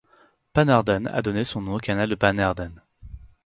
Pannerden a donné son nom au canal de Pannerden.